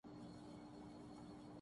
یہ بچے ہمیشہ بے چین رہتیں ہیں